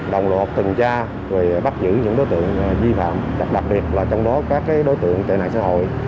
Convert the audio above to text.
đồng độc tuần tra bắt giữ những đối tượng vi phạm đặc biệt là trong đó các đối tượng tệ nạn xã hội